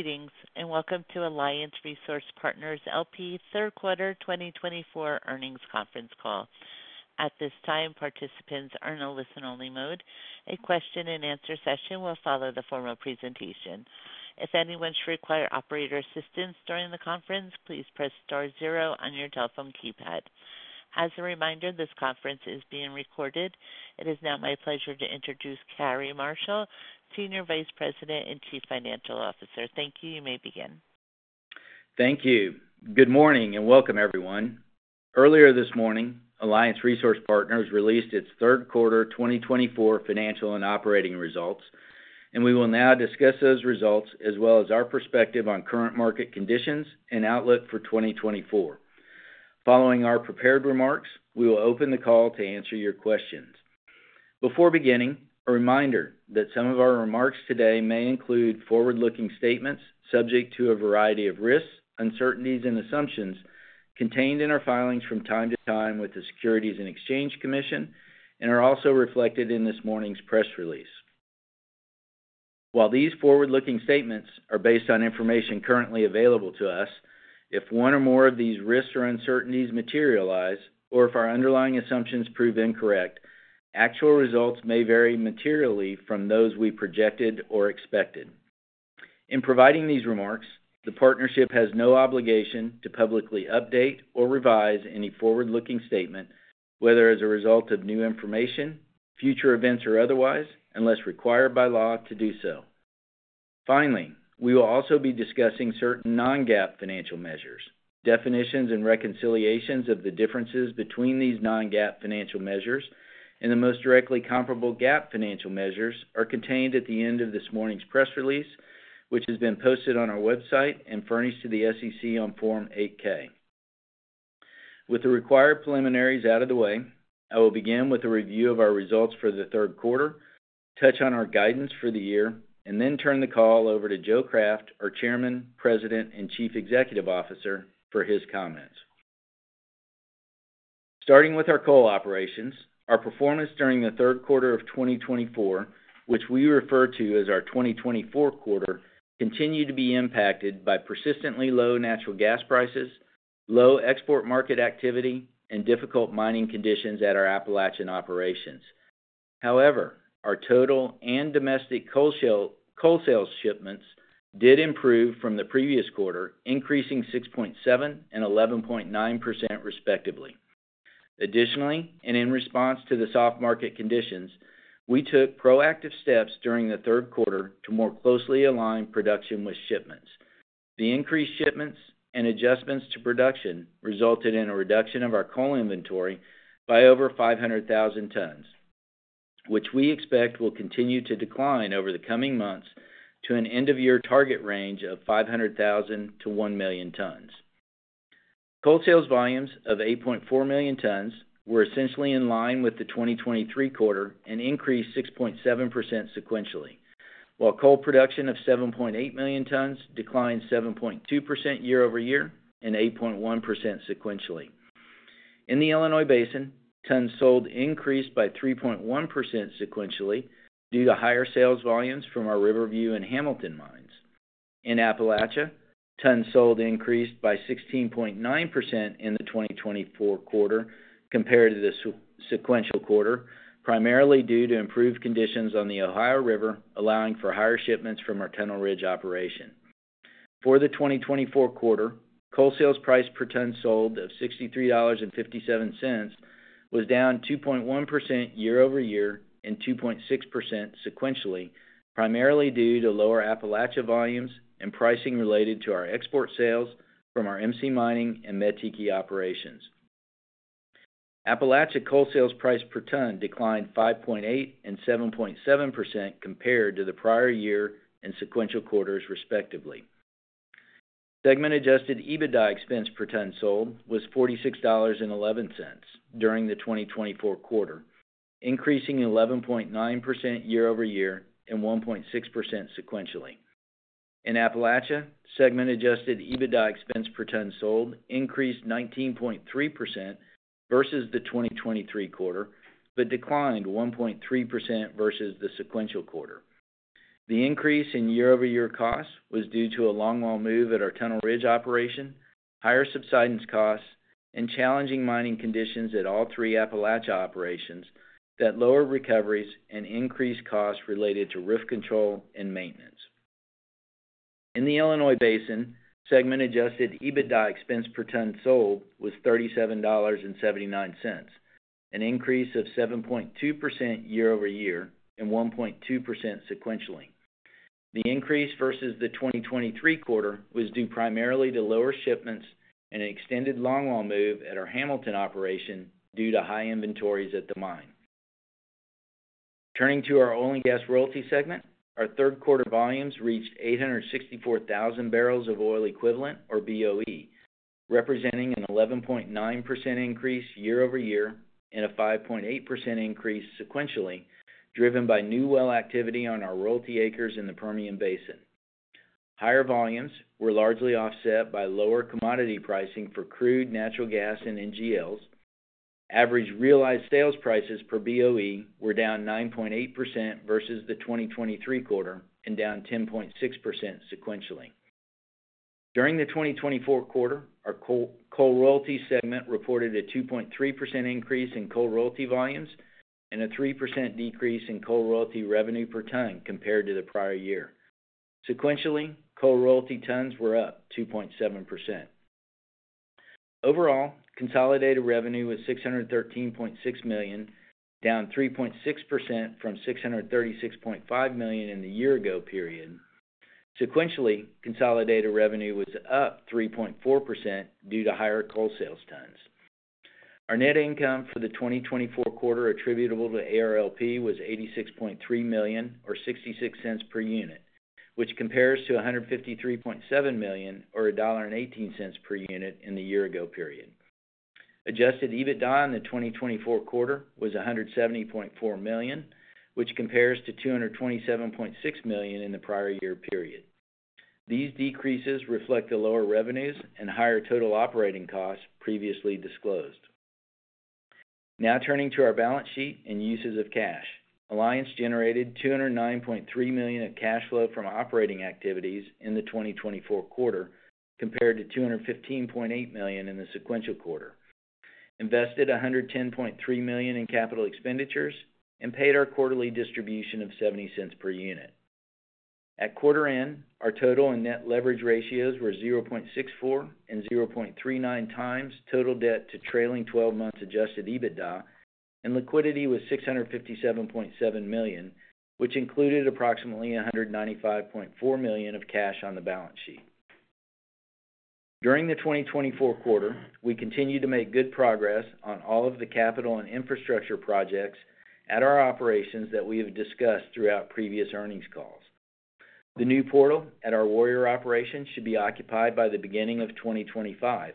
Greetings, and welcome to Alliance Resource Partners LP Third Quarter 2024 Earnings Conference Call. At this time, participants are in a listen-only mode. A question-and-answer session will follow the formal presentation. If anyone should require operator assistance during the conference, please press star zero on your telephone keypad. As a reminder, this conference is being recorded. It is now my pleasure to introduce Cary Marshall, Senior Vice President and Chief Financial Officer. Thank you. You may begin. Thank you. Good morning, and welcome, everyone. Earlier this morning, Alliance Resource Partners released its third quarter twenty twenty-four financial and operating results, and we will now discuss those results, as well as our perspective on current market conditions and outlook for twenty twenty-four. Following our prepared remarks, we will open the call to answer your questions. Before beginning, a reminder that some of our remarks today may include forward-looking statements subject to a variety of risks, uncertainties, and assumptions contained in our filings from time to time with the Securities and Exchange Commission and are also reflected in this morning's press release. While these forward-looking statements are based on information currently available to us, if one or more of these risks or uncertainties materialize, or if our underlying assumptions prove incorrect, actual results may vary materially from those we projected or expected. In providing these remarks, the partnership has no obligation to publicly update or revise any forward-looking statement, whether as a result of new information, future events, or otherwise, unless required by law to do so. Finally, we will also be discussing certain non-GAAP financial measures. Definitions and reconciliations of the differences between these non-GAAP financial measures and the most directly comparable GAAP financial measures are contained at the end of this morning's press release, which has been posted on our website and furnished to the SEC on Form 8-K. With the required preliminaries out of the way, I will begin with a review of our results for the third quarter, touch on our guidance for the year, and then turn the call over to Joe Craft, our Chairman, President, and Chief Executive Officer, for his comments. Starting with our coal operations, our performance during the third quarter of 2024, which we refer to as our 2024 quarter, continued to be impacted by persistently low natural gas prices, low export market activity, and difficult mining conditions at our Appalachian operations. However, our total and domestic coal sales shipments did improve from the previous quarter, increasing 6.7% and 11.9%, respectively. Additionally, in response to the soft market conditions, we took proactive steps during the third quarter to more closely align production with shipments. The increased shipments and adjustments to production resulted in a reduction of our coal inventory by over 500,000 tons, which we expect will continue to decline over the coming months to an end-of-year target range of 500,000 to 1 million tons. Coal sales volumes of 8.4 million tons were essentially in line with the 2023 quarter and increased 6.7% sequentially, while coal production of 7.8 million tons declined 7.2% year over year and 8.1% sequentially. In the Illinois Basin, tons sold increased by 3.1% sequentially due to higher sales volumes from our Riverview and Hamilton mines. In Appalachia, tons sold increased by 16.9% in the 2024 quarter compared to the sequential quarter, primarily due to improved conditions on the Ohio River, allowing for higher shipments from our Tunnel Ridge operation. For the 2024 quarter, coal sales price per ton sold of $63.57 was down 2.1% year over year and 2.6% sequentially, primarily due to lower Appalachia volumes and pricing related to our export sales from our MC Mining and Mettiki operations. Appalachia coal sales price per ton declined 5.8% and 7.7% compared to the prior year and sequential quarters, respectively. Segment adjusted EBITDA expense per ton sold was $46.11 during the 2024 quarter, increasing 11.9% year over year and 1.6% sequentially. In Appalachia, segment adjusted EBITDA expense per ton sold increased 19.3% versus the 2023 quarter, but declined 1.3% versus the sequential quarter. The increase in year-over-year costs was due to a longwall move at our Tunnel Ridge operation, higher subsidence costs, and challenging mining conditions at all three Appalachia operations that lowered recoveries and increased costs related to roof control and maintenance. In the Illinois Basin, segment-adjusted EBITDA expense per ton sold was $37.79, an increase of 7.2% year-over-year and 1.2% sequentially. The increase versus the 2023 quarter was due primarily to lower shipments and an extended longwall move at our Hamilton operation due to high inventories at the mine. Turning to our oil and gas royalty segment, our third quarter volumes reached 864,000 barrels of oil equivalent, or BOE, representing an 11.9% increase year over year and a 5.8% increase sequentially, driven by new well activity on our royalty acres in the Permian Basin. Higher volumes were largely offset by lower commodity pricing for crude, natural gas, and NGLs. Average realized sales prices per BOE were down 9.8% versus the 2023 quarter and down 10.6% sequentially. During the 2024 quarter, our coal royalty segment reported a 2.3% increase in coal royalty volumes and a 3% decrease in coal royalty revenue per ton compared to the prior year. Sequentially, coal royalty tons were up 2.7%. Overall, consolidated revenue was $613.6 million, down 3.6% from $636.5 million in the year-ago period. Sequentially, consolidated revenue was up 3.4% due to higher coal sales tons. Our net income for the 2024 quarter attributable to ARLP was $86.3 million, or $0.66 per unit, which compares to $153.7 million or $1.18 per unit in the year-ago period. Adjusted EBITDA in the 2024 quarter was $170.4 million, which compares to $227.6 million in the prior year period. These decreases reflect the lower revenues and higher total operating costs previously disclosed. Now turning to our balance sheet and uses of cash. Alliance generated $209.3 million of cash flow from operating activities in the 2024 quarter, compared to $215.8 million in the sequential quarter, invested $110.3 million in capital expenditures, and paid our quarterly distribution of $0.70 per unit. At quarter end, our total and net leverage ratios were 0.64x and 0.39x total debt to trailing twelve months adjusted EBITDA, and liquidity was $657.7 million, which included approximately $195.4 million of cash on the balance sheet. During the 2024 quarter, we continued to make good progress on all of the capital and infrastructure projects at our operations that we have discussed throughout previous earnings calls. The new portal at our Warrior operation should be occupied by the beginning of 2025,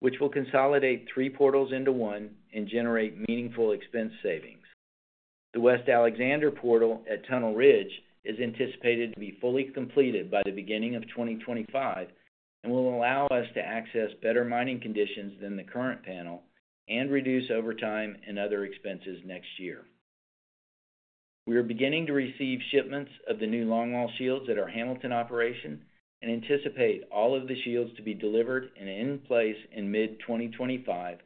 which will consolidate three portals into one and generate meaningful expense savings. The West Alexander portal at Tunnel Ridge is anticipated to be fully completed by the beginning of 2025, and will allow us to access better mining conditions than the current panel and reduce overtime and other expenses next year. We are beginning to receive shipments of the new longwall shields at our Hamilton operation and anticipate all of the shields to be delivered and in place in mid-2025,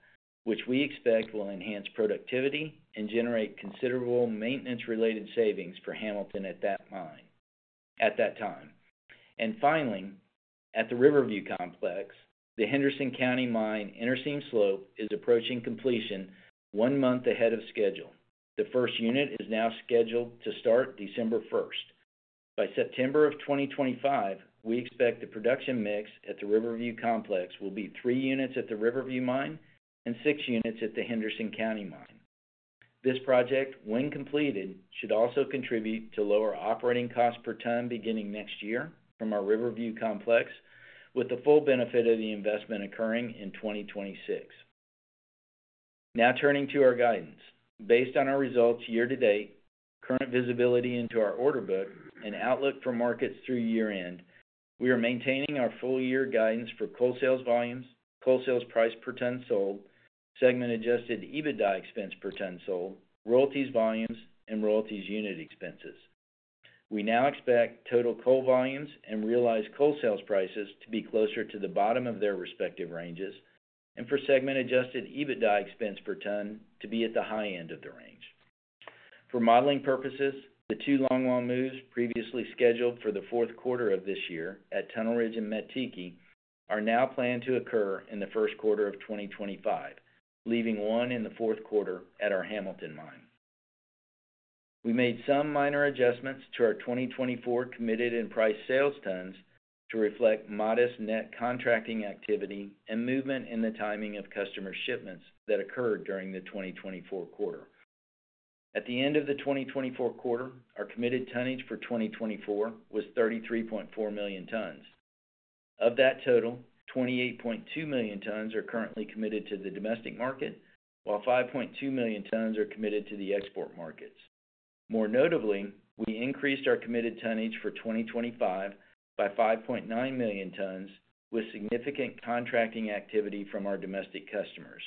which we expect will enhance productivity and generate considerable maintenance-related savings for Hamilton at that time. Finally, at the Riverview Complex, the Henderson County Mine inter-seam slope is approaching completion one month ahead of schedule. The first unit is now scheduled to start December 1. By September of twenty twenty-five, we expect the production mix at the Riverview Complex will be three units at the Riverview Mine and six units at the Henderson County Mine. This project, when completed, should also contribute to lower operating costs per ton beginning next year from our Riverview Complex, with the full benefit of the investment occurring in twenty twenty-six. Now turning to our guidance. Based on our results year-to-date, current visibility into our order book, and outlook for markets through year-end, we are maintaining our full year guidance for coal sales volumes, coal sales price per ton sold, segment adjusted EBITDA expense per ton sold, royalties volumes, and royalties unit expenses. We now expect total coal volumes and realized coal sales prices to be closer to the bottom of their respective ranges, and for segment adjusted EBITDA expense per ton to be at the high end of the range. For modeling purposes, the two longwall moves previously scheduled for the fourth quarter of this year at Tunnel Ridge and Mettiki are now planned to occur in the first quarter of twenty twenty-five, leaving one in the fourth quarter at our Hamilton Mine. We made some minor adjustments to our twenty twenty-four committed and priced sales tons to reflect modest net contracting activity and movement in the timing of customer shipments that occurred during the twenty twenty-four quarter. At the end of the twenty twenty-four quarter, our committed tonnage for twenty twenty-four was 33.4 million tons. Of that total, 28.2 million tons are currently committed to the domestic market, while 5.2 million tons are committed to the export markets. More notably, we increased our committed tonnage for 2025 by 5.9 million tons, with significant contracting activity from our domestic customers.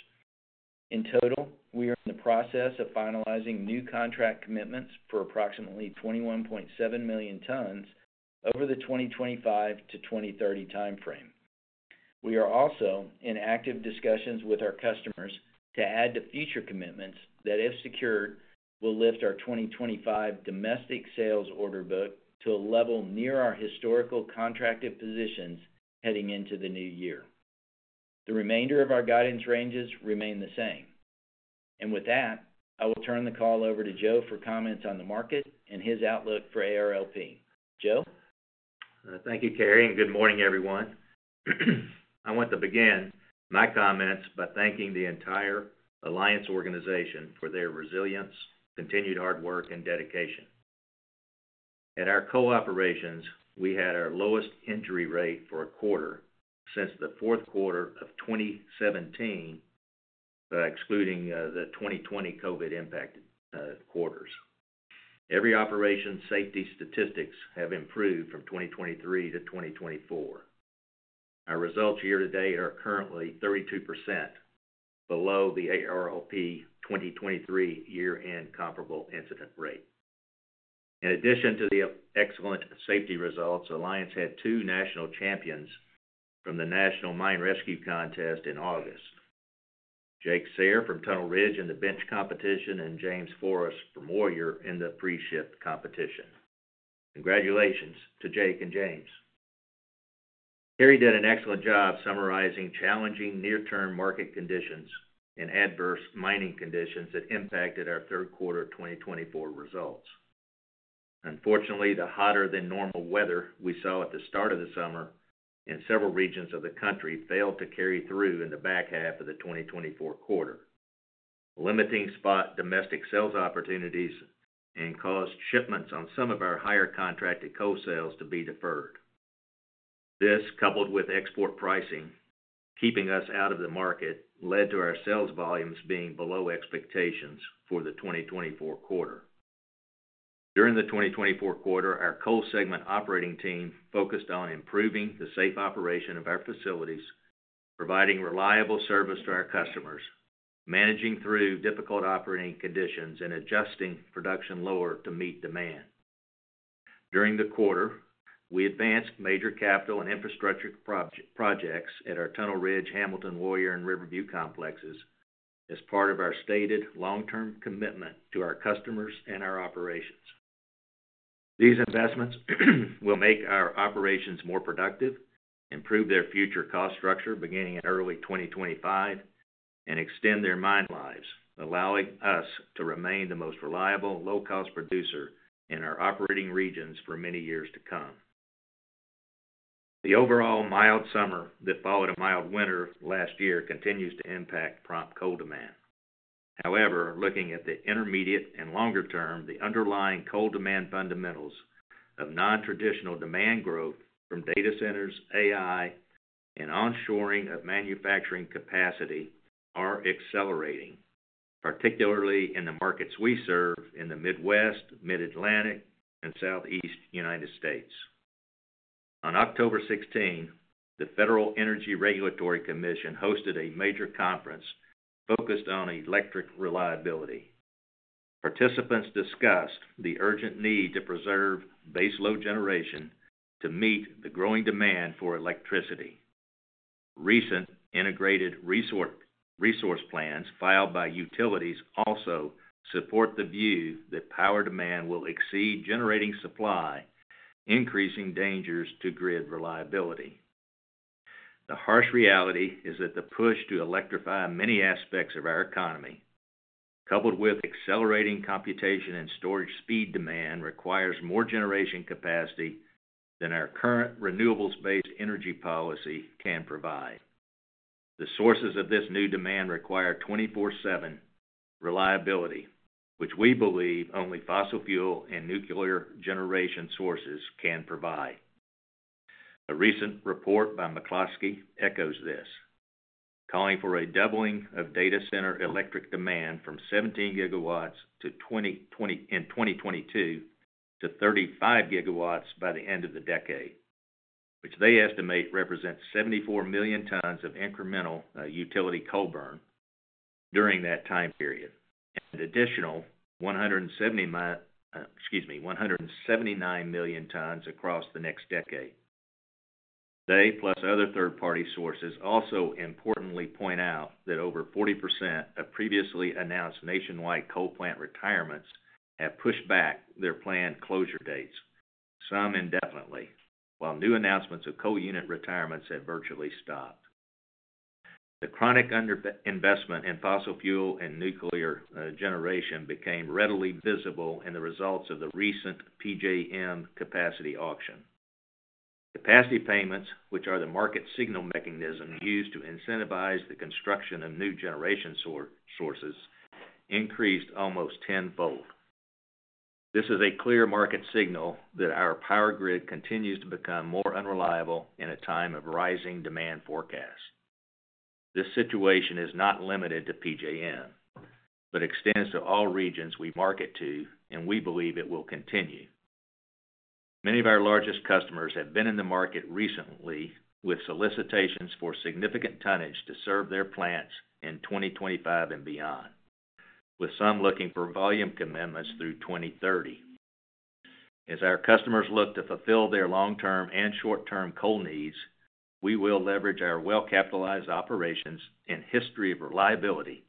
In total, we are in the process of finalizing new contract commitments for approximately 21.7 million tons over the 2025 to 2030 time frame. We are also in active discussions with our customers to add to future commitments that, if secured, will lift our 2025 domestic sales order book to a level near our historical contracted positions heading into the new year. The remainder of our guidance ranges remain the same. And with that, I will turn the call over to Joe for comments on the market and his outlook for ARLP. Joe? Thank you, Cary, and good morning, everyone. I want to begin my comments by thanking the entire Alliance organization for their resilience, continued hard work, and dedication. At our coal operations, we had our lowest injury rate for a quarter since the fourth quarter of 2017, excluding the 2020 COVID-impact quarters. Every operation safety statistics have improved from 2023 to 2024. Our results year-to-date are currently 32% below the ARLP 2023 year-end comparable incident rate. In addition to the excellent safety results, Alliance had two national champions from the National Mine Rescue Contest in August. Jake Sayre from Tunnel Ridge in the bench competition, and James Forrest from Warrior in the pre-shift competition. Congratulations to Jake and James. Cary did an excellent job summarizing challenging near-term market conditions and adverse mining conditions that impacted our third quarter 2024 results. Unfortunately, the hotter-than-normal weather we saw at the start of the summer in several regions of the country failed to carry through in the back half of the 2024 quarter, limiting spot domestic sales opportunities and caused shipments on some of our higher contracted coal sales to be deferred. This, coupled with export pricing, keeping us out of the market, led to our sales volumes being below expectations for the 2024 quarter. During the 2024 quarter, our coal segment operating team focused on improving the safe operation of our facilities, providing reliable service to our customers, managing through difficult operating conditions, and adjusting production lower to meet demand. During the quarter, we advanced major capital and infrastructure projects at our Tunnel Ridge, Hamilton, Warrior, and Riverview complexes as part of our stated long-term commitment to our customers and our operations. These investments will make our operations more productive, improve their future cost structure beginning in early 2025, and extend their mine lives, allowing us to remain the most reliable, low-cost producer in our operating regions for many years to come. The overall mild summer that followed a mild winter last year continues to impact prompt coal demand. However, looking at the intermediate and longer term, the underlying coal demand fundamentals of nontraditional demand growth from data centers, AI, and onshoring of manufacturing capacity are accelerating, particularly in the markets we serve in the Midwest, Mid-Atlantic, and Southeast United States. On October 16, the Federal Energy Regulatory Commission hosted a major conference focused on electric reliability. Participants discussed the urgent need to preserve baseload generation to meet the growing demand for electricity. Recent integrated resource plans filed by utilities also support the view that power demand will exceed generating supply, increasing dangers to grid reliability. The harsh reality is that the push to electrify many aspects of our economy, coupled with accelerating computation and storage speed demand, requires more generation capacity than our current renewables-based energy policy can provide. The sources of this new demand require 24/7 reliability, which we believe only fossil fuel and nuclear generation sources can provide. A recent report by McCloskey echoes this, calling for a doubling of data center electric demand from 17 gigawatts in 2022 to 35 gigawatts by the end of the decade, which they estimate represents 74 million tons of incremental utility coal burn during that time period. An additional 179 million tons across the next decade. They, plus other third-party sources, also importantly point out that over 40% of previously announced nationwide coal plant retirements have pushed back their planned closure dates, some indefinitely, while new announcements of coal unit retirements have virtually stopped. The chronic under investment in fossil fuel and nuclear generation became readily visible in the results of the recent PJM capacity auction. Capacity payments, which are the market signal mechanism used to incentivize the construction of new generation sources, increased almost tenfold. This is a clear market signal that our power grid continues to become more unreliable in a time of rising demand forecast. This situation is not limited to PJM, but extends to all regions we market to, and we believe it will continue. Many of our largest customers have been in the market recently with solicitations for significant tonnage to serve their plants in twenty twenty-five and beyond, with some looking for volume commitments through twenty thirty. As our customers look to fulfill their long-term and short-term coal needs, we will leverage our well-capitalized operations and history of reliability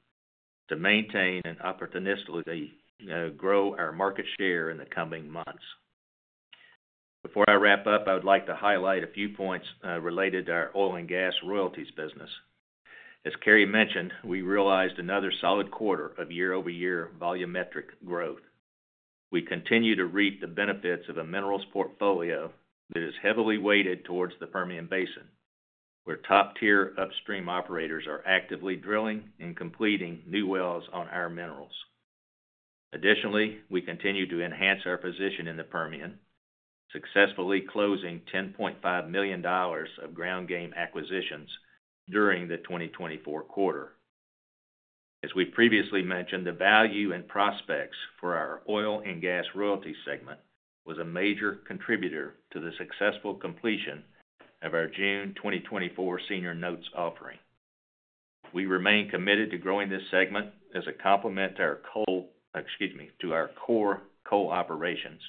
to maintain and opportunistically grow our market share in the coming months. Before I wrap up, I would like to highlight a few points related to our oil and gas royalties business. As Cary mentioned, we realized another solid quarter of year-over-year volumetric growth. We continue to reap the benefits of a minerals portfolio that is heavily weighted towards the Permian Basin, where top-tier upstream operators are actively drilling and completing new wells on our minerals. Additionally, we continue to enhance our position in the Permian, successfully closing $10.5 million of ground game acquisitions during the 2024 quarter. As we previously mentioned, the value and prospects for our oil and gas royalty segment was a major contributor to the successful completion of our June 2024 senior notes offering. We remain committed to growing this segment as a complement to our coal, excuse me, to our core coal operations,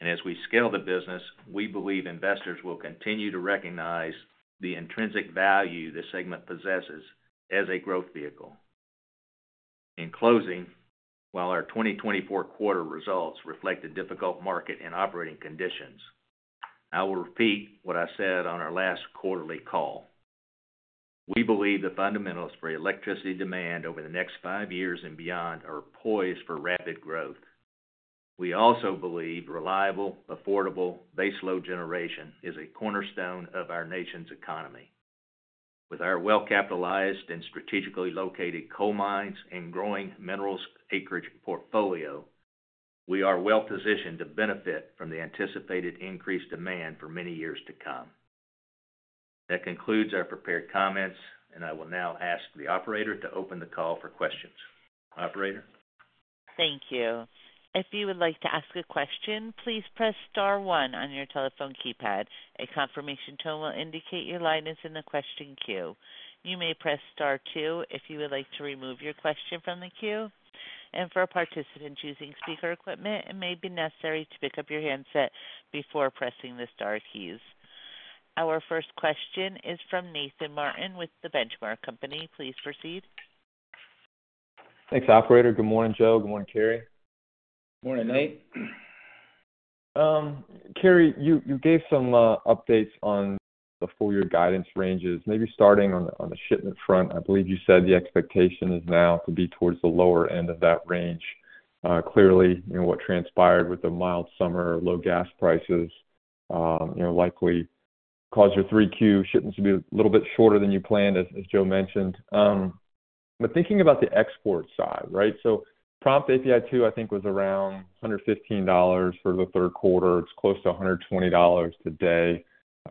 and as we scale the business, we believe investors will continue to recognize the intrinsic value this segment possesses as a growth vehicle. In closing, while our 2024 quarter results reflect a difficult market and operating conditions, I will repeat what I said on our last quarterly call. We believe the fundamentals for electricity demand over the next five years and beyond are poised for rapid growth. We also believe reliable, affordable, base load generation is a cornerstone of our nation's economy. With our well-capitalized and strategically located coal mines and growing minerals acreage portfolio, we are well-positioned to benefit from the anticipated increased demand for many years to come. That concludes our prepared comments, and I will now ask the operator to open the call for questions. Operator? Thank you. If you would like to ask a question, please press star one on your telephone keypad. A confirmation tone will indicate your line is in the question queue. You may press Star two if you would like to remove your question from the queue, and for a participant using speaker equipment, it may be necessary to pick up your handset before pressing the star keys. Our first question is from Nathan Martin with The Benchmark Company. Please proceed. Thanks, operator. Good morning, Joe. Good morning, Cary. Morning, Nate. Cary, you gave some updates on the full year guidance ranges. Maybe starting on the shipment front, I believe you said the expectation is now to be towards the lower end of that range. Clearly, you know, what transpired with the mild summer, low gas prices, you know, likely caused your 3Q shipments to be a little bit shorter than you planned, as Joe mentioned. But thinking about the export side, right? So prompt API 2, I think, was around $115 for the third quarter. It's close to $120 today,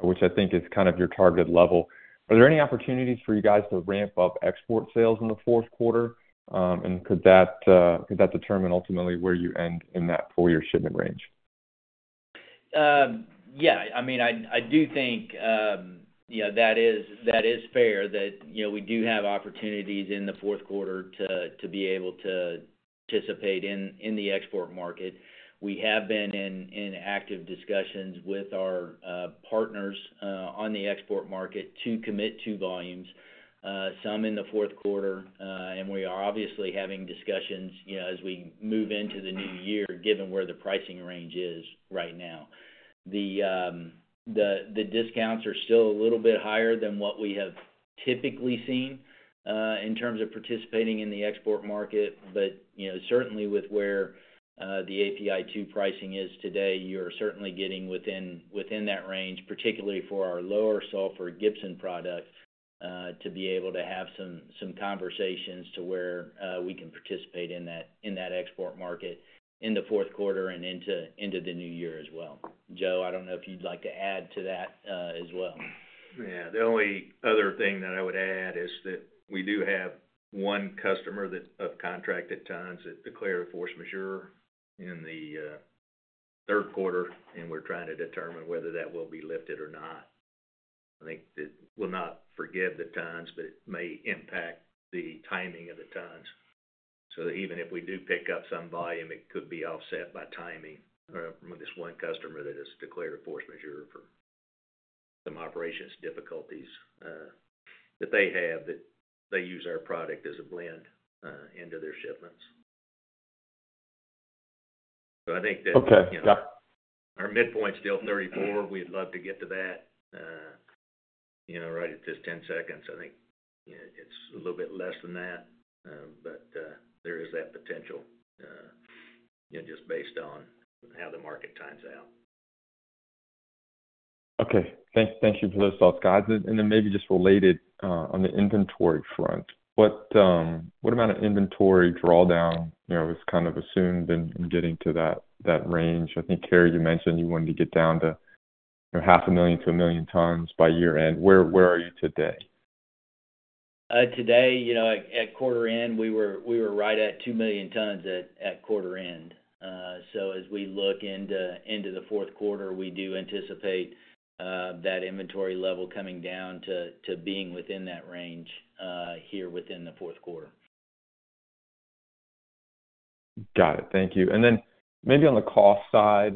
which I think is kind of your target level. Are there any opportunities for you guys to ramp-up export sales in the fourth quarter? And could that determine ultimately where you end in that full year shipment range? Yeah, I mean, I do think, you know, that is fair that, you know, we do have opportunities in the fourth quarter to be able to participate in the export market. We have been in active discussions with our partners on the export market to commit to volumes, some in the fourth quarter, and we are obviously having discussions, you know, as we move into the new year, given where the pricing range is right now. The discounts are still a little bit higher than what we have typically seen in terms of participating in the export market. But, you know, certainly with where the API 2 pricing is today, you're certainly getting within that range, particularly for our lower sulfur Gibson product, to be able to have some conversations to where we can participate in that export market in the fourth quarter and into the new year as well. Joe, I don't know if you'd like to add to that, as well. Yeah. The only other thing that I would add is that we do have one customer that has contracted tons that declared force majeure in the third quarter, and we're trying to determine whether that will be lifted or not. I think that we'll not forgive the tons, but it may impact the timing of the tons. So that even if we do pick up some volume, it could be offset by timing from this one customer that has declared force majeure for some operations difficulties that they have, that they use our product as a blend into their shipments. So I think that- Okay. Yeah... Our midpoint's still thirty-four. We'd love to get to that, you know, right at just ten seconds. I think, you know, it's a little bit less than that, but there is that potential, you know, just based on how the market times out. Okay. Thank you for those thoughts, guys. And then maybe just related on the inventory front, what amount of inventory drawdown, you know, is kind of assumed in getting to that range? I think, Cary, you mentioned you wanted to get down to 500,000 to 1 million tons by year-end. Where are you today? Today, you know, at quarter end, we were right at two million tons at quarter end. So as we look into the fourth quarter, we do anticipate that inventory level coming down to being within that range here within the fourth quarter. Got it. Thank you. And then maybe on the cost side,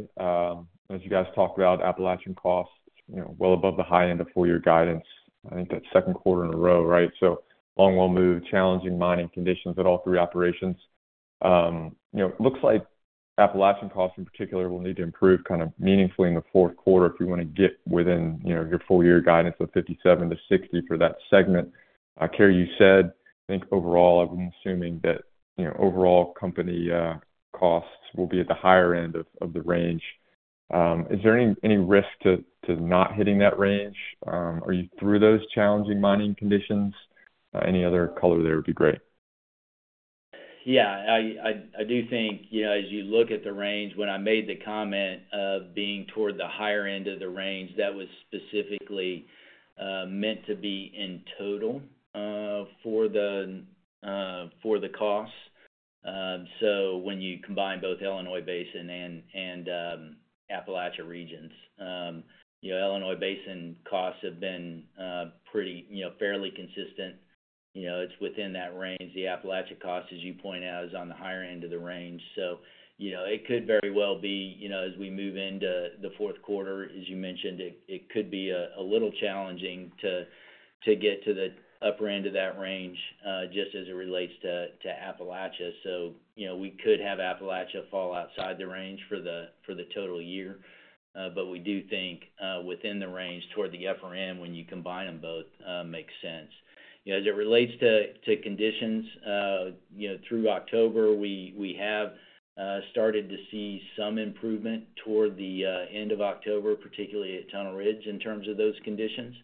as you guys talked about Appalachian costs, you know, well above the high end of full year guidance. I think that's second quarter in a row, right? So longwall move, challenging mining conditions at all three operations. You know, looks like Appalachian costs in particular will need to improve kinda meaningfully in the fourth quarter if we wanna get within, you know, your full year guidance of $57-$60 for that segment. Cary, you said, I think overall, I'm assuming that, you know, overall company costs will be at the higher end of the range. Is there any risk to not hitting that range? Are you through those challenging mining conditions? Any other color there would be great. ... Yeah, I do think, you know, as you look at the range, when I made the comment of being toward the higher end of the range, that was specifically meant to be in total for the costs. So when you combine both Illinois Basin and Appalachia regions. You know, Illinois Basin costs have been pretty, you know, fairly consistent. You know, it's within that range. The Appalachia cost, as you point out, is on the higher end of the range. So, you know, it could very well be, you know, as we move into the fourth quarter, as you mentioned, it could be a little challenging to get to the upper end of that range just as it relates to Appalachia. So, you know, we could have Appalachia fall outside the range for the total year. But we do think within the range toward the upper end, when you combine them both, makes sense. You know, as it relates to conditions, you know, through October, we have started to see some improvement toward the end of October, particularly at Tunnel Ridge, in terms of those conditions.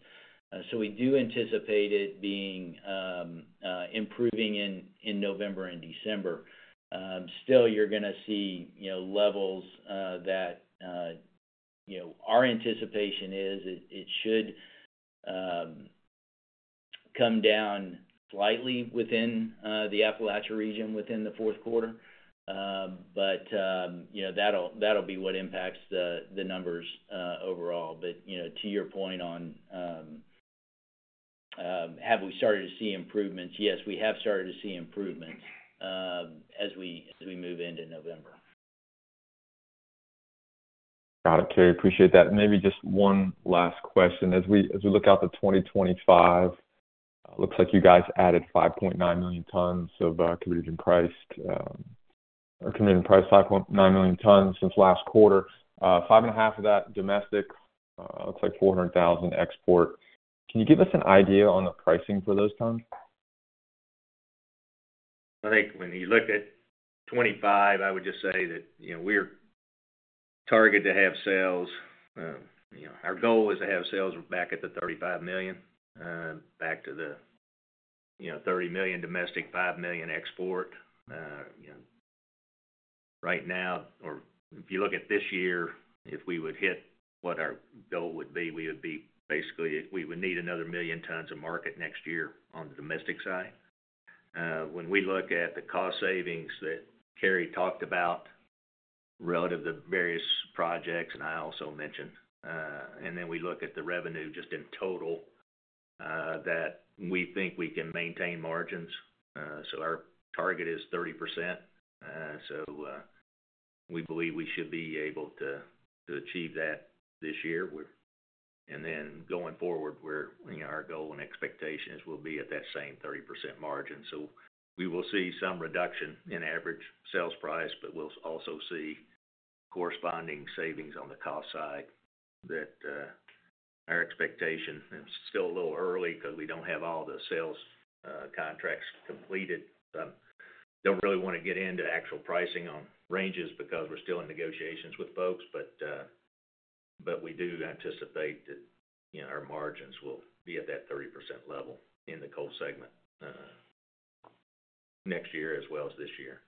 So we do anticipate it being improving in November and December. Still, you're gonna see, you know, levels that, you know, our anticipation is it should come down slightly within the Appalachia region within the fourth quarter. But, you know, that'll be what impacts the numbers overall. But, you know, to your point on have we started to see improvements? Yes, we have started to see improvements as we move into November. Got it, Cary, appreciate that. Maybe just one last question. As we look out to 2025, looks like you guys added 5.9 million tons of committed and priced 5.9 million tons since last quarter. 5.5 of that, domestic, looks like 400,000, export. Can you give us an idea on the pricing for those tons? I think when you look at 2025, I would just say that, you know, we're target to have sales. You know, our goal is to have sales back at the 35 million, back to the, you know, 30 million domestic, 5 million export. You know, right now or if you look at this year, if we would hit what our goal would be, we would be basically. We would need another million tons of market next year on the domestic side. When we look at the cost savings that Cary talked about relative to various projects, and I also mentioned, and then we look at the revenue just in total, that we think we can maintain margins. So our target is 30%. So, we believe we should be able to, to achieve that this year. And then going forward, you know, our goal and expectations will be at that same 30% margin, so we will see some reduction in average sales price, but we'll also see corresponding savings on the cost side that our expectation, it's still a little early because we don't have all the sales contracts completed. Don't really want to get into actual pricing on ranges because we're still in negotiations with folks. But we do anticipate that, you know, our margins will be at that 30% level in the coal segment next year as well as this year.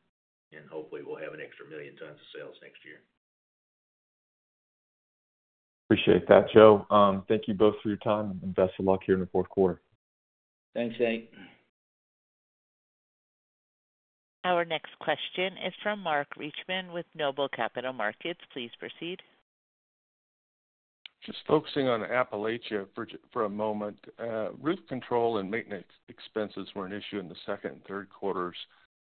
And hopefully, we'll have an extra million tons of sales next year. Appreciate that, Joe. Thank you both for your time, and best of luck here in the fourth quarter. Thanks, Nate. Our next question is from Mark Reichman with Noble Capital Markets. Please proceed. Just focusing on Appalachia for a moment. Roof control and maintenance expenses were an issue in the second and third quarters,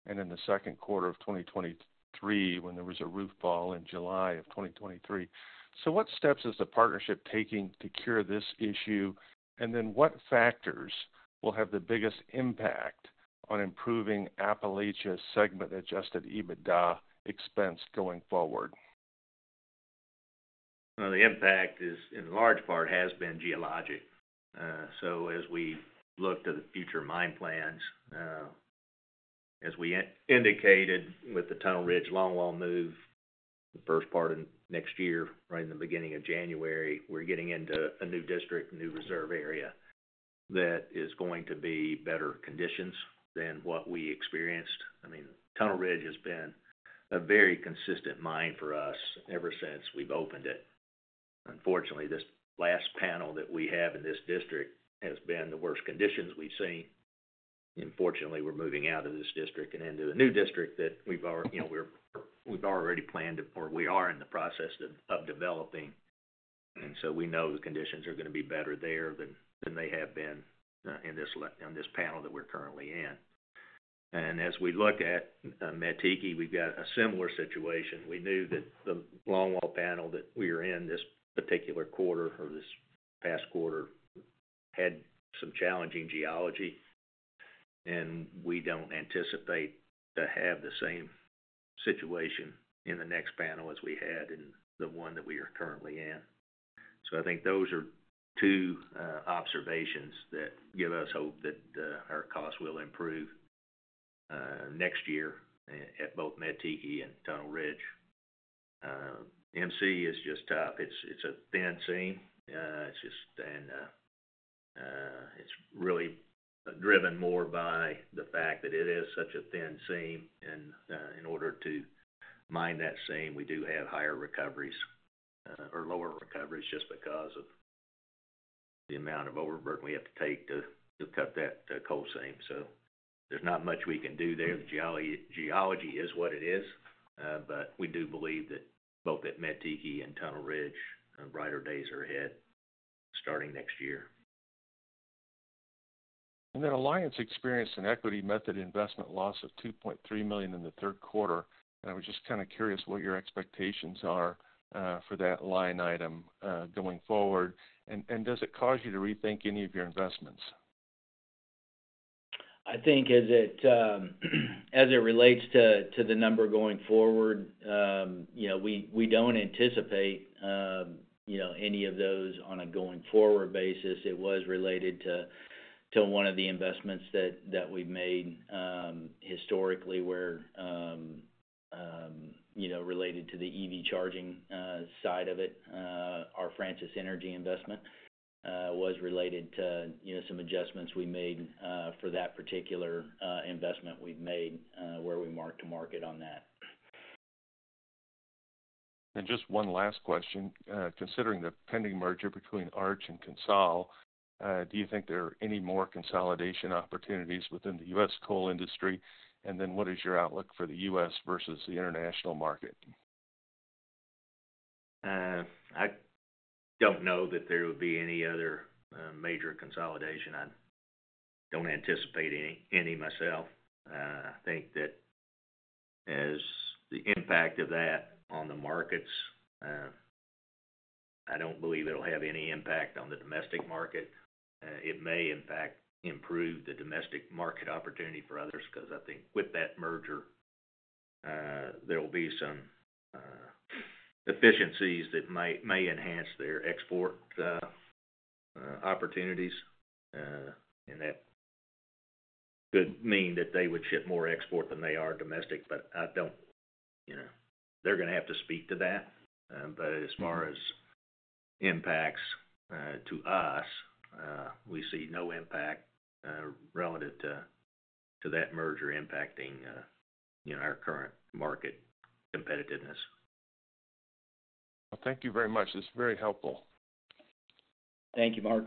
and in the second quarter of 2023, when there was a roof fall in July of 2023. What steps is the partnership taking to cure this issue? What factors will have the biggest impact on improving Appalachia segment-adjusted EBITDA expense going forward? The impact is, in large part, has been geologic. So as we look to the future mine plans, as we indicated with the Tunnel Ridge longwall move, the first part of next year, right in the beginning of January, we're getting into a new district, new reserve area, that is going to be better conditions than what we experienced. I mean, Tunnel Ridge has been a very consistent mine for us ever since we've opened it. Unfortunately, this last panel that we have in this district has been the worst conditions we've seen. And fortunately, we're moving out of this district and into a new district that we've already, you know, planned or we are in the process of developing. And so we know the conditions are gonna be better there than they have been in this longwall panel that we're currently in. And as we look at Mettiki, we've got a similar situation. We knew that the longwall panel that we are in this particular quarter or this past quarter had some challenging geology, and we don't anticipate to have the same situation in the next panel as we had in the one that we are currently in. So I think those are two observations that give us hope that our costs will improve next year at both Mettiki and Tunnel Ridge. MC is just tough. It's a thin seam. It's just thin. It's really driven more by the fact that it is such a thin seam, and in order to mine that seam, we do have higher recoveries or lower recoveries just because of the amount of overburden we have to take to cut that coal seam. So there's not much we can do there. The geology is what it is. But we do believe that both at Mettiki and Tunnel Ridge, brighter days are ahead, starting next year. Then Alliance experienced an equity method investment loss of $2.3 million in the third quarter. I was just kind of curious what your expectations are for that line item going forward. Does it cause you to rethink any of your investments? I think as it relates to the number going forward, you know, we don't anticipate, you know, any of those on a going-forward basis. It was related to one of the investments that we've made historically, where, you know, related to the EV charging side of it, our Francis Energy investment was related to, you know, some adjustments we made for that particular investment we've made, where we marked to market on that. And just one last question. Considering the pending merger between Arch and CONSOL, do you think there are any more consolidation opportunities within the U.S. coal industry? And then, what is your outlook for the U.S. versus the international market? I don't know that there would be any other major consolidation. I don't anticipate any myself. I think that as the impact of that on the markets, I don't believe it'll have any impact on the domestic market. It may, in fact, improve the domestic market opportunity for others, 'cause I think with that merger, there will be some efficiencies that may enhance their export opportunities. And that could mean that they would ship more export than they are domestic, but I don't... You know, they're gonna have to speak to that. But as far as impacts to us, we see no impact relative to that merger impacting you know, our current market competitiveness. Thank you very much. This is very helpful. Thank you, Mark.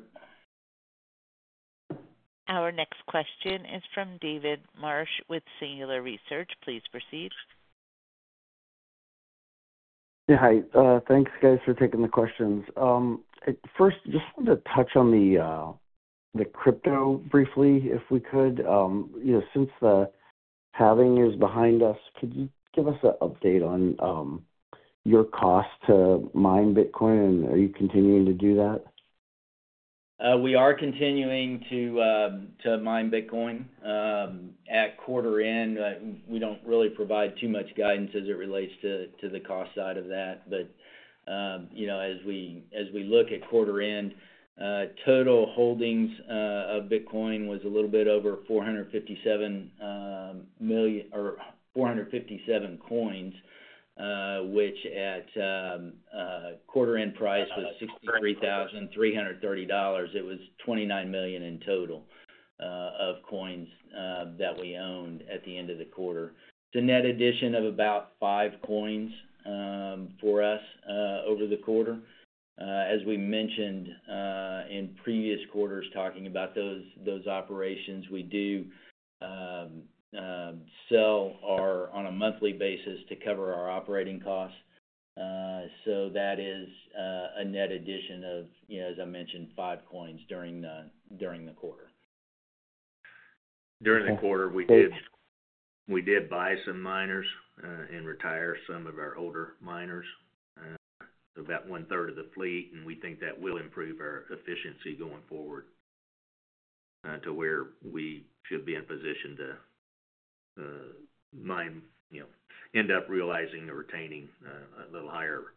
Our next question is from David Marsh with Singular Research. Please proceed. Yeah, hi. Thanks, guys, for taking the questions. First, just want to touch on the crypto briefly, if we could. You know, since the halving is behind us, could you give us an update on your cost to mine Bitcoin, and are you continuing to do that? We are continuing to mine Bitcoin. At quarter end, we don't really provide too much guidance as it relates to the cost side of that. But you know, as we look at quarter end, total holdings of Bitcoin was a little bit over 457 coins, which at quarter end price was $63,333. It was $29 million in total of coins that we owned at the end of the quarter. The net addition of about five coins for us over the quarter. As we mentioned in previous quarters, talking about those operations, we do sell ours on a monthly basis to cover our operating costs. So that is a net addition of, you know, as I mentioned, five coins during the quarter. During the quarter, we did buy some miners, and retire some of our older miners, about one-third of the fleet, and we think that will improve our efficiency going forward, to where we should be in position to, mine, you know, end up realizing or retaining, a little higher,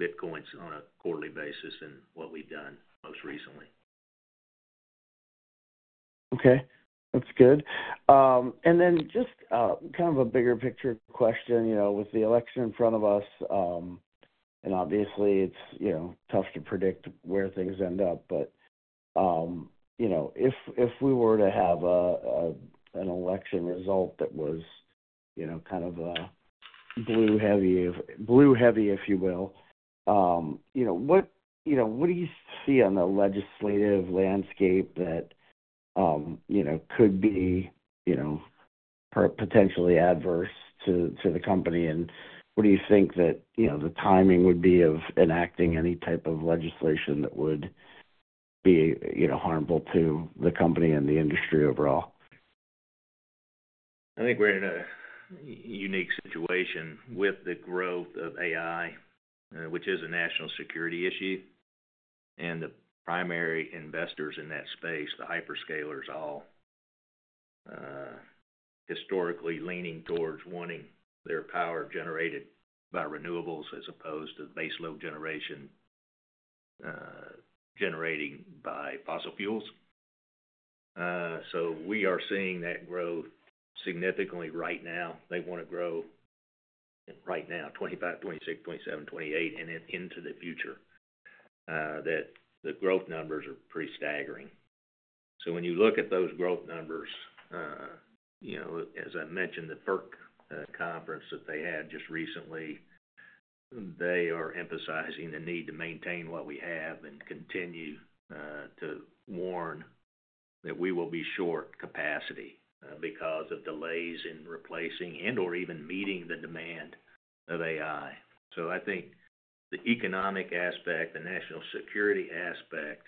Bitcoins on a quarterly basis than what we've done most recently. Okay, that's good. And then just kind of a bigger picture question. You know, with the election in front of us, and obviously, it's, you know, tough to predict where things end up, but, you know, if we were to have an election result that was, you know, kind of a blue heavy, if you will, you know, what do you see on the legislative landscape that, you know, could be potentially adverse to the company? And what do you think that, you know, the timing would be of enacting any type of legislation that would be, you know, harmful to the company and the industry overall? I think we're in a unique situation with the growth of AI, which is a national security issue, and the primary investors in that space, the hyperscalers, all, historically leaning towards wanting their power generated by renewables as opposed to baseload generation, generating by fossil fuels. So we are seeing that growth significantly right now. They want to grow right now, 2025, 2026, 2027, 2028, and then into the future, that the growth numbers are pretty staggering. So when you look at those growth numbers, you know, as I mentioned, the FERC conference that they had just recently, they are emphasizing the need to maintain what we have and continue, to warn that we will be short capacity, because of delays in replacing and or even meeting the demand of AI. I think the economic aspect, the national security aspect,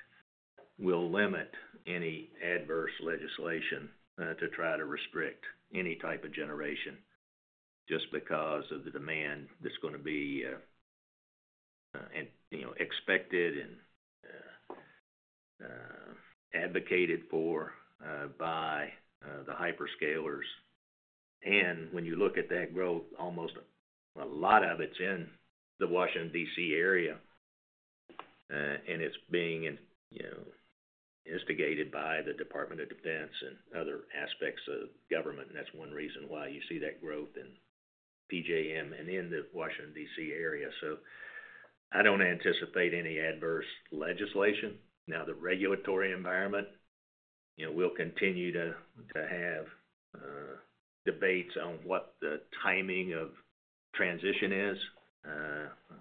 will limit any adverse legislation to try to restrict any type of generation just because of the demand that's gonna be and, you know, expected and advocated for by the hyperscalers. And when you look at that growth, almost a lot of it's in the Washington, D.C. area, and it's being, you know, instigated by the Department of Defense and other aspects of government. And that's one reason why you see that growth in PJM and in the Washington, D.C. area. So I don't anticipate any adverse legislation. Now, the regulatory environment, you know, we'll continue to have debates on what the timing of transition is.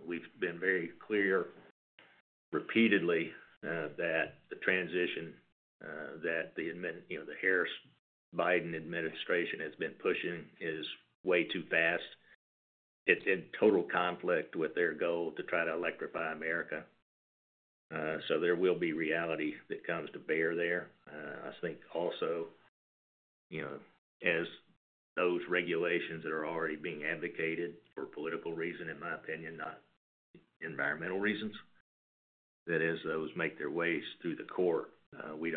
We've been very clear repeatedly that the transition, you know, the Harris-Biden administration has been pushing is way too fast. It's in total conflict with their goal to try to electrify America, so there will be reality that comes to bear there. I think also, you know, as those regulations that are already being advocated for political reason, in my opinion, not environmental reasons, that as those make their ways through the court, we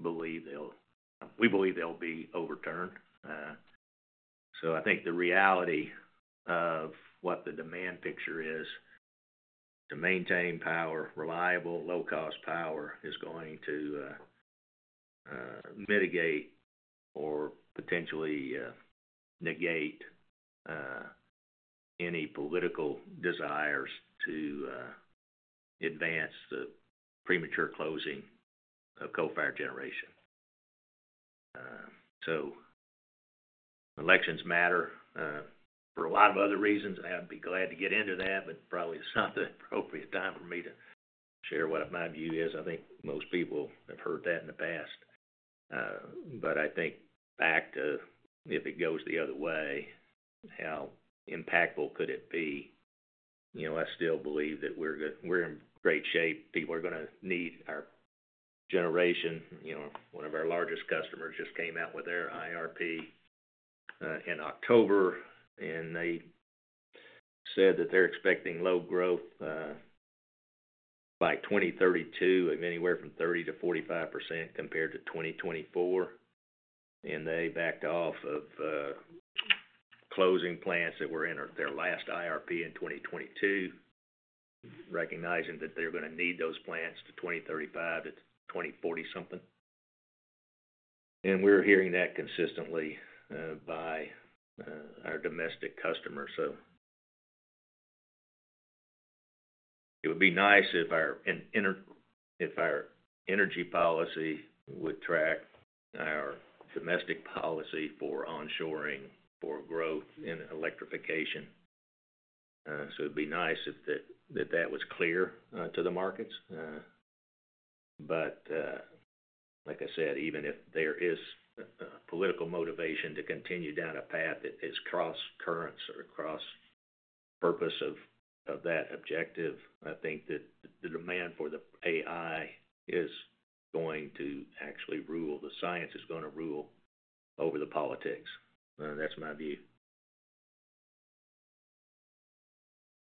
believe they'll be overturned, so I think the reality of what the demand picture is to maintain power, reliable, low-cost power, is going to mitigate or potentially negate any political desires to advance the premature closing of coal-fired generation, so elections matter for a lot of other reasons, and I'd be glad to get into that, but probably it's not the appropriate time for me to share what my view is. I think most people have heard that in the past. But I think back to if it goes the other way, how impactful could it be? You know, I still believe that we're in great shape. People are gonna need our generation. You know, one of our largest customers just came out with their IRP in October, and they said that they're expecting load growth by 2032 of anywhere from 30%-45% compared to 2024. And they backed off of closing plants that were in their last IRP in 2022, recognizing that they're gonna need those plants to 2035 to 2040 something. And we're hearing that consistently by our domestic customers. So it would be nice if our energy policy would track our domestic policy for onshoring, for growth in electrification. So it'd be nice if that was clear to the markets. But, like I said, even if there is political motivation to continue down a path that is crosscurrent or cross purpose of that objective, I think that the demand for the AI is going to actually rule. The science is gonna rule over the politics. That's my view.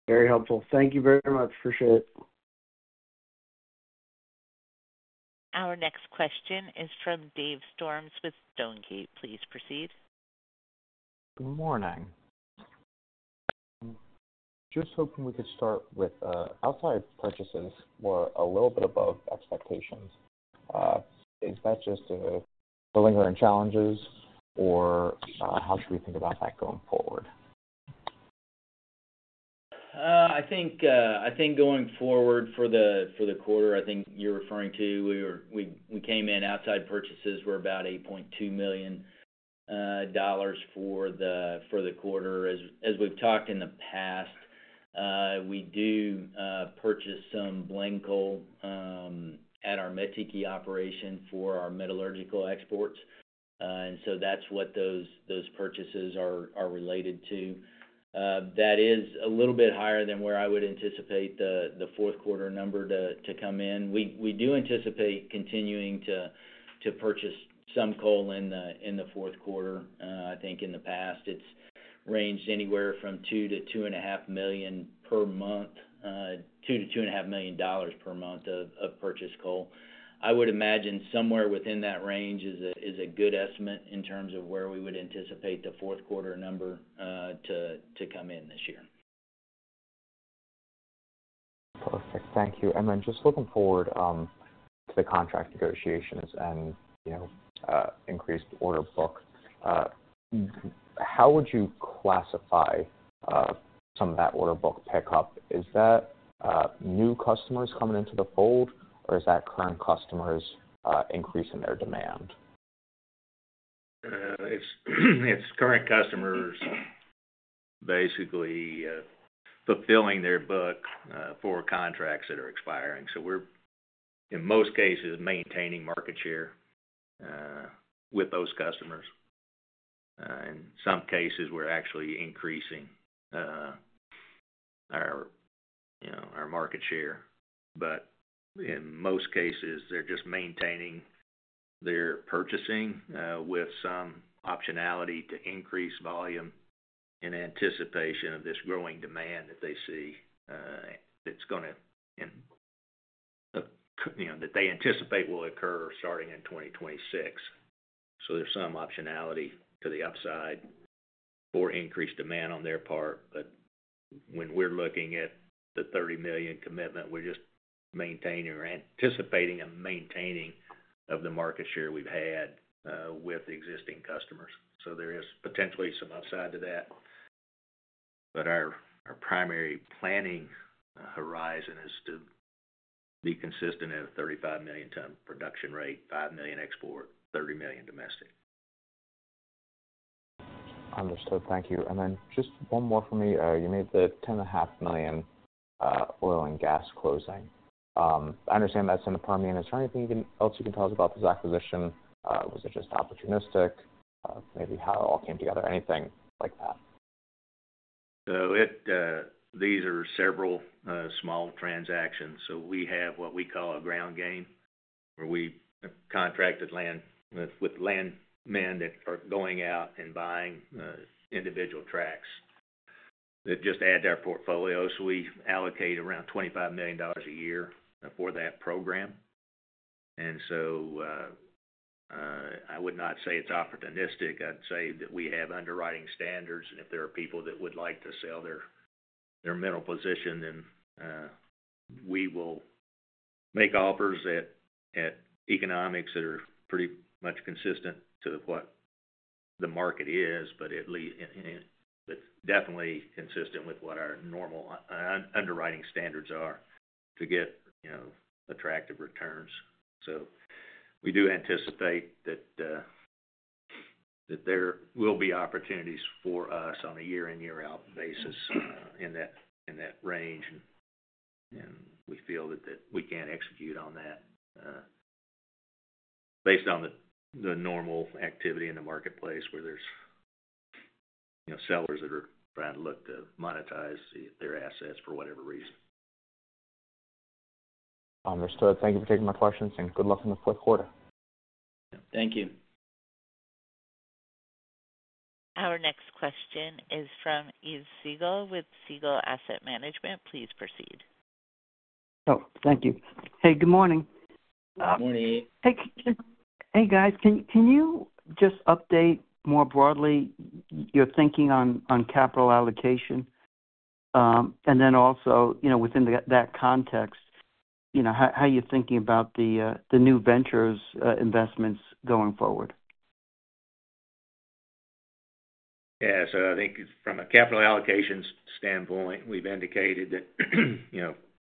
Very helpful. Thank you very much. Appreciate it. Our next question is from Dave Storms with Stonegate. Please proceed. Good morning. Just hoping we could start with outside purchases were a little bit above expectations. Is that just lingering challenges, or how should we think about that going forward? I think going forward for the quarter, I think you're referring to. Outside purchases were about $8.2 million for the quarter. As we've talked in the past, we do purchase some coal at our Mettiki operation for our metallurgical exports. And so that's what those purchases are related to. That is a little bit higher than where I would anticipate the fourth quarter number to come in. We do anticipate continuing to purchase some coal in the fourth quarter. I think in the past, it's ranged anywhere from $2-$2.5 million per month, $2-$2.5 million per month of purchased coal. I would imagine somewhere within that range is a good estimate in terms of where we would anticipate the fourth quarter number to come in this year.... Thank you. And then just looking forward to the contract negotiations and, you know, increased order book, how would you classify some of that order book pickup? Is that new customers coming into the fold, or is that current customers increasing their demand? It's current customers basically fulfilling their book for contracts that are expiring. So we're, in most cases, maintaining market share with those customers. In some cases, we're actually increasing our you know our market share. But in most cases, they're just maintaining their purchasing with some optionality to increase volume in anticipation of this growing demand that they see that's gonna you know that they anticipate will occur starting in 2026. So there's some optionality to the upside for increased demand on their part. But when we're looking at the 30 million commitment, we're just maintaining or anticipating and maintaining of the market share we've had with the existing customers. So there is potentially some upside to that. But our primary planning horizon is to be consistent at a 35 million ton production rate, 5 million export, 30 million domestic. Understood. Thank you. And then just one more for me. You made the $10.5 million oil and gas closing. I understand that's in the Permian. Is there anything else you can tell us about this acquisition? Was it just opportunistic? Maybe how it all came together, anything like that? These are several small transactions. We have what we call a ground game, where we contract with landmen that are going out and buying individual tracts that just add to our portfolio. We allocate around $25 million a year for that program. I would not say it's opportunistic. I'd say that we have underwriting standards, and if there are people that would like to sell their mineral position, then we will make offers at economics that are pretty much consistent to what the market is, but at least, but definitely consistent with what our normal underwriting standards are to get, you know, attractive returns. We do anticipate that there will be opportunities for us on a year in, year out basis, in that range. We feel that we can execute on that based on the normal activity in the marketplace, where there's, you know, sellers that are trying to look to monetize their assets for whatever reason. Understood. Thank you for taking my questions, and good luck in the fourth quarter. Thank you. Our next question is from Yves Siegel with Siegel Asset Management. Please proceed. Oh, thank you. Hey, good morning. Good morning. Hey, guys, can you just update more broadly your thinking on capital allocation? And then also, you know, within that context, you know, how are you thinking about the new ventures investments going forward? Yeah. So I think from a capital allocations standpoint, we've indicated that, you know,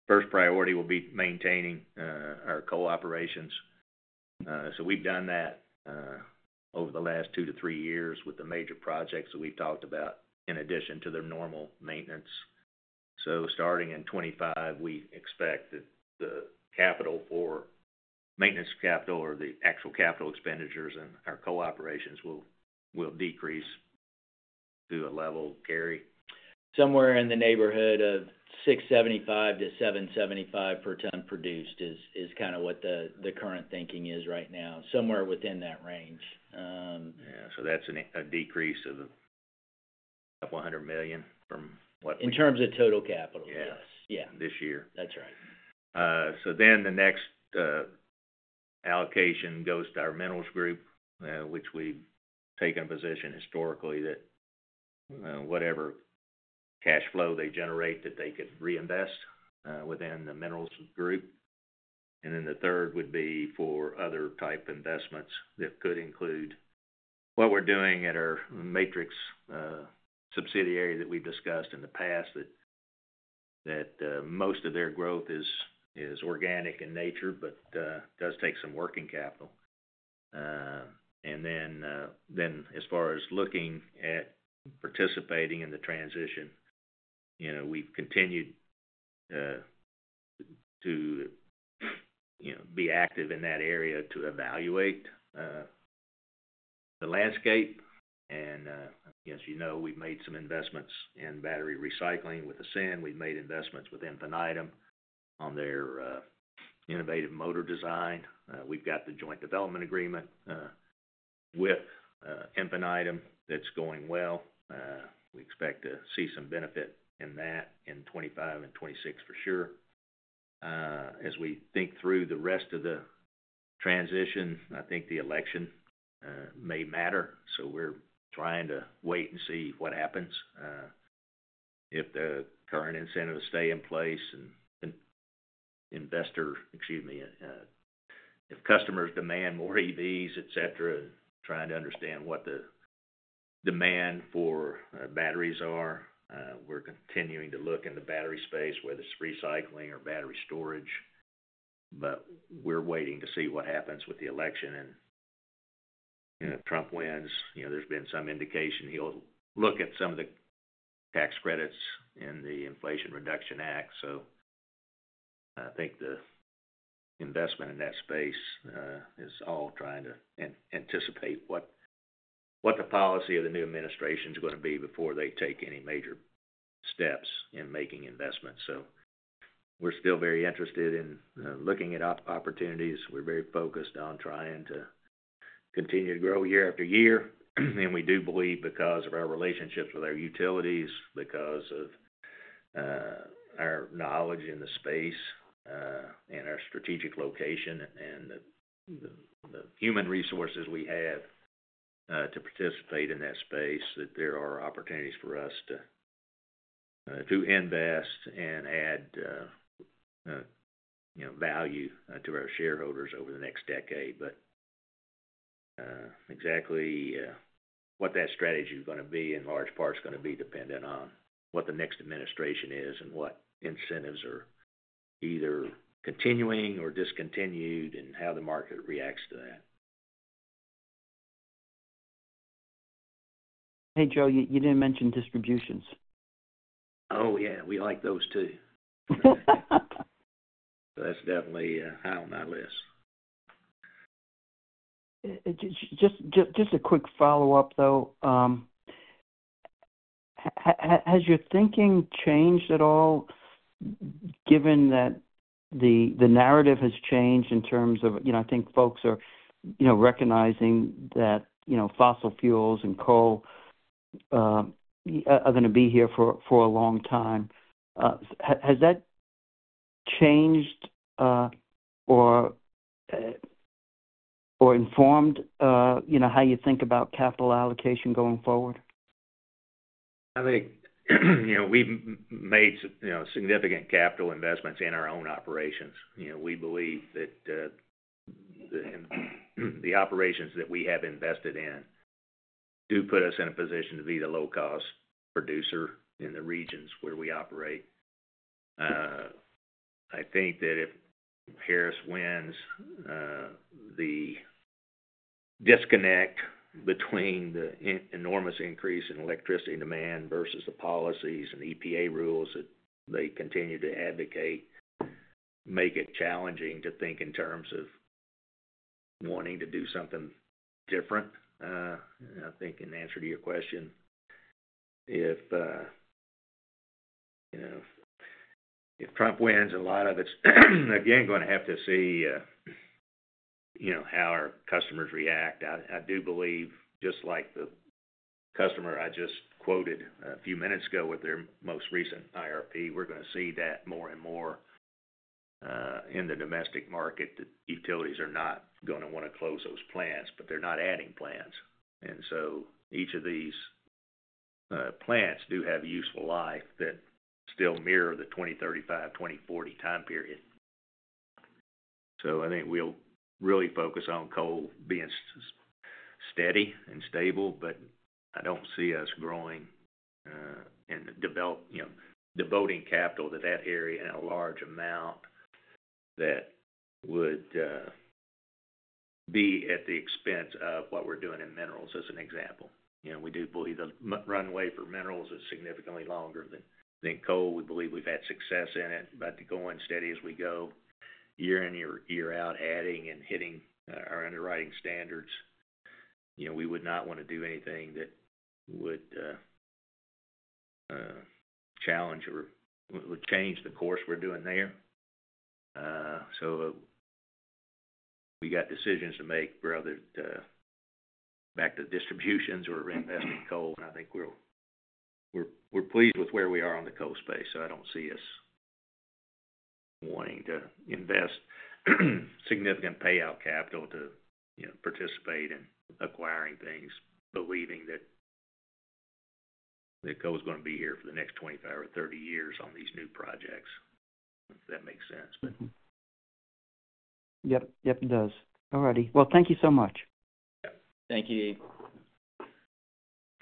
first priority will be maintaining our coal operations. So we've done that over the last two to three years with the major projects that we've talked about, in addition to the normal maintenance. So starting in 2025, we expect that the capital for maintenance capital or the actual capital expenditures in our coal operations will decrease to a level, Cary? Somewhere in the neighborhood of 675-775 per ton produced is kind of what the current thinking is right now, somewhere within that range. Yeah, so that's a decrease of $100 million from what in terms of total capital. Yes. Yeah. This year. That's right. So then the next allocation goes to our minerals group, which we've taken a position historically that whatever cash flow they generate, that they could reinvest within the minerals group. And then the third would be for other type investments that could include what we're doing at our Matrix subsidiary that we've discussed in the past, that most of their growth is organic in nature, but does take some working capital. And then as far as looking at participating in the transition, you know, we've continued to, you know, be active in that area to evaluate the landscape. And as you know, we've made some investments in battery recycling with Ascend. We've made investments with Infinitum on their innovative motor design. We've got the joint development agreement with Infinitum, that's going well. We expect to see some benefit in that in 2025 and 2026 for sure. As we think through the rest of the transition, I think the election may matter, so we're trying to wait and see what happens. If the current incentives stay in place and, and investor, excuse me, if customers demand more EVs, et cetera, trying to understand what the demand for batteries are. We're continuing to look in the battery space, whether it's recycling or battery storage, but we're waiting to see what happens with the election. And if Trump wins, you know, there's been some indication he'll look at some of the tax credits in the Inflation Reduction Act. So I think the investment in that space is all trying to anticipate what the policy of the new administration's gonna be before they take any major steps in making investments. So we're still very interested in looking at opportunities. We're very focused on trying to continue to grow year after year. And we do believe because of our relationships with our utilities, because of our knowledge in the space, and our strategic location and the human resources we have to participate in that space, that there are opportunities for us to invest and add you know value to our shareholders over the next decade. But, exactly, what that strategy is gonna be, in large part, is gonna be dependent on what the next administration is and what incentives are either continuing or discontinued, and how the market reacts to that. Hey, Joe, you didn't mention distributions. Oh, yeah, we like those, too. That's definitely high on my list. Just a quick follow-up, though. Has your thinking changed at all, given that the narrative has changed in terms of... You know, I think folks are you know, recognizing that you know, fossil fuels and coal are gonna be here for a long time. Has that changed, or informed, you know, how you think about capital allocation going forward? I think, you know, we've made, you know, significant capital investments in our own operations. You know, we believe that, the operations that we have invested in do put us in a position to be the low-cost producer in the regions where we operate. I think that if Harris wins, the disconnect between the enormous increase in electricity demand versus the policies and EPA rules that they continue to advocate make it challenging to think in terms of wanting to do something different. I think in answer to your question, if, you know, if Trump wins, a lot of it's, again, going to have to see, you know, how our customers react. I do believe, just like the customer I just quoted a few minutes ago with their most recent IRP, we're gonna see that more and more in the domestic market, that utilities are not gonna wanna close those plants, but they're not adding plants. And so each of these plants do have a useful life that still mirror the 2035, 2040 time period. So I think we'll really focus on coal being steady and stable, but I don't see us growing and develop, you know, devoting capital to that area in a large amount that would be at the expense of what we're doing in minerals, as an example. You know, we do believe the runway for minerals is significantly longer than coal. We believe we've had success in it, but to go in steady as we go, year in, year out, adding and hitting our underwriting standards, you know, we would not wanna do anything that would challenge or would change the course we're doing there, so we got decisions to make whether to go back to distributions or reinvest in coal. And I think we're pleased with where we are on the coal space, so I don't see us wanting to invest significant payout capital to, you know, participate in acquiring things, believing that the coal is gonna be here for the next twenty-five or thirty years on these new projects, if that makes sense. Mm-hmm. Yep. Yep, it does. All righty. Well, thank you so much. Yep. Thank you.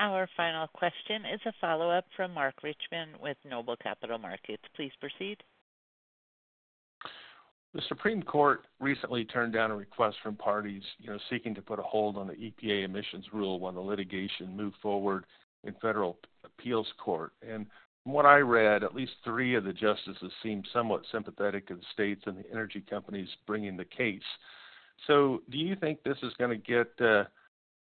Our final question is a follow-up from Mark Reichman with Noble Capital Markets. Please proceed. The Supreme Court recently turned down a request from parties, you know, seeking to put a hold on the EPA emissions rule while the litigation moved forward in federal appeals court, and from what I read, at least three of the justices seemed somewhat sympathetic to the states and the energy companies bringing the case, so do you think this is gonna get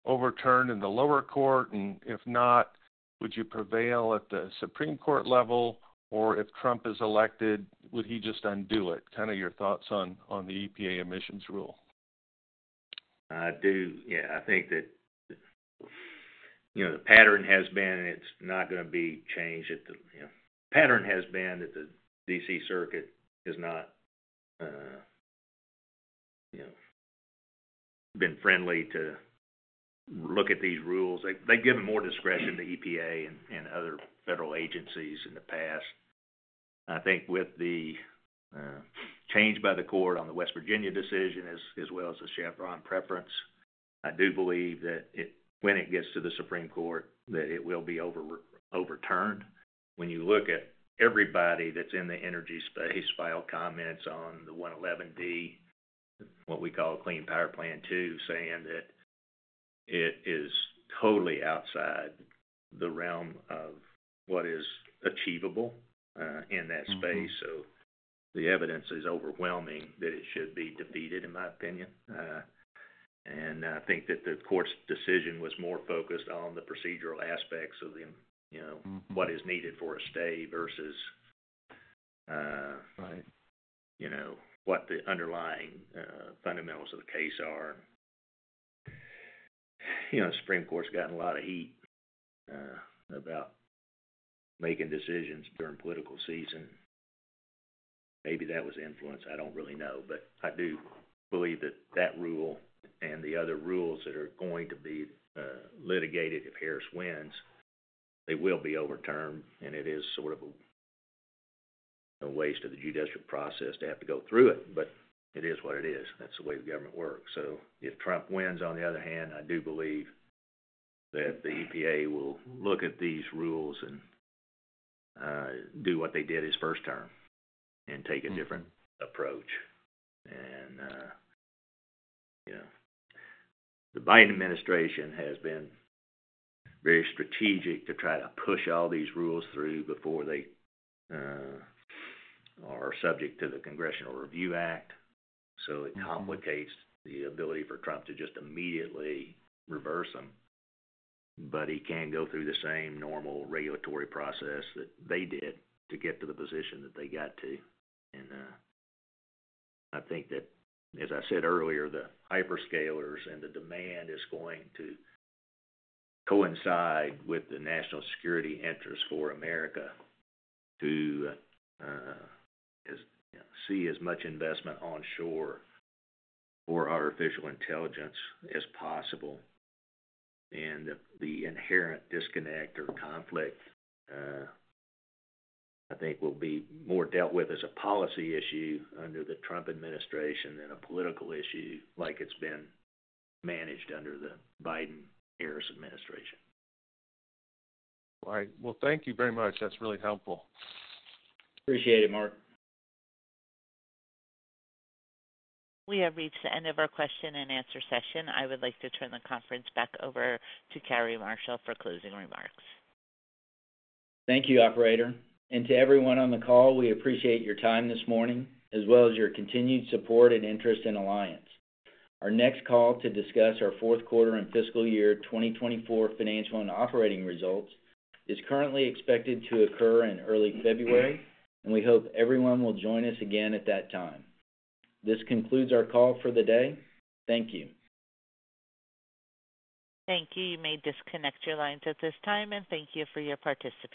overturned in the lower court? And if not, would you prevail at the Supreme Court level? Or if Trump is elected, would he just undo it? Kind of your thoughts on the EPA emissions rule. Yeah, I think that. You know, the pattern has been, it's not gonna be changed at the, you know. The pattern has been that the D.C. Circuit has not, you know, been friendly to look at these rules. They have given more discretion to EPA and other federal agencies in the past. I think with the change by the court on the West Virginia decision, as well as the Chevron deference, I do believe that it, when it gets to the Supreme Court, that it will be overturned. When you look at everybody that's in the energy space file comments on the 111(d), what we call a Clean Power Plan Two, saying that it is totally outside the realm of what is achievable in that space. Mm-hmm. So the evidence is overwhelming that it should be defeated, in my opinion, and I think that the court's decision was more focused on the procedural aspects of the, you know- Mm-hmm... what is needed for a stay versus Right. You know, what the underlying fundamentals of the case are. You know, the Supreme Court's gotten a lot of heat about making decisions during political season. Maybe that was influence. I don't really know, but I do believe that that rule and the other rules that are going to be litigated, if Harris wins, they will be overturned, and it is sort of a waste of the judicial process to have to go through it, but it is what it is. That's the way the government works, so if Trump wins, on the other hand, I do believe that the EPA will look at these rules and do what they did his first term and take a different approach. Yeah, the Biden administration has been very strategic to try to push all these rules through before they are subject to the Congressional Review Act. Mm-hmm. So it complicates the ability for Trump to just immediately reverse them, but he can go through the same normal regulatory process that they did to get to the position that they got to. And, I think that, as I said earlier, the hyperscalers and the demand is going to coincide with the national security interests for America to, as we see as much investment onshore for artificial intelligence as possible. And the inherent disconnect or conflict, I think will be more dealt with as a policy issue under the Trump administration than a political issue, like it's been managed under the Biden-Harris administration. All right. Well, thank you very much. That's really helpful. Appreciate it, Mark. We have reached the end of our question-and-answer session. I would like to turn the conference back over to Cary Marshall for closing remarks. Thank you, operator. And to everyone on the call, we appreciate your time this morning, as well as your continued support and interest in Alliance. Our next call to discuss our fourth quarter and fiscal year 2024 financial and operating results is currently expected to occur in early February, and we hope everyone will join us again at that time. This concludes our call for the day. Thank you. Thank you. You may disconnect your lines at this time, and thank you for your participation.